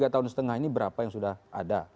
tiga tahun setengah ini berapa yang sudah ada